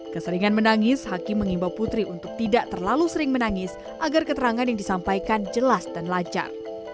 keseringan menangis hakim mengimbau putri untuk tidak terlalu sering menangis agar keterangan yang disampaikan jelas dan lancar